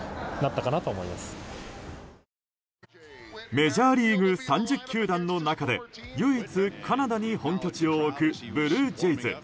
メジャーリーグ３０球団の中で唯一、カナダに本拠地を置くブルージェイズ。